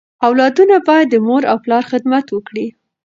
اولادونه بايد د مور او پلار خدمت وکړي.